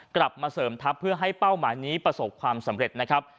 กลับมาเสริมทัพเพื่อให้เป้าหมายนี้ประสบความสำเร็จนะครับ